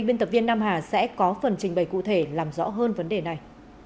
biên tập viên nam hà sẽ có phần trình bày cụ thể làm rõ hơn vấn đề này